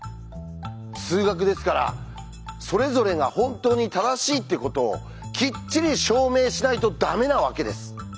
数学ですからそれぞれが本当に正しいってことをきっちり証明しないとダメなわけです。